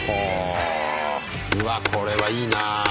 うわこれはいいな。